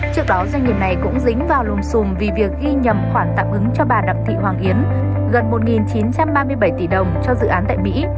trước đó doanh nghiệp này cũng dính vào lùm xùm vì việc ghi nhầm khoản tạm ứng cho bà đặng thị hoàng yến gần một chín trăm ba mươi bảy tỷ đồng cho dự án tại mỹ